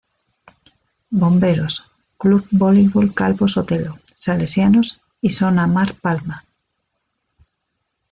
Bomberos, Club Voleibol Calvo Sotelo, Salesianos y Son Amar Palma.